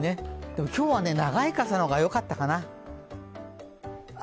でも、今日は長い傘の方がよかったかな。